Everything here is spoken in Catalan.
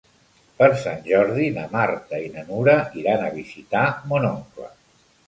Per Sant Jordi na Marta i na Nura iran a visitar mon oncle.